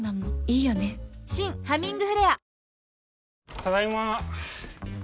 ただいま。